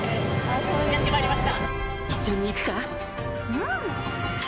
うん！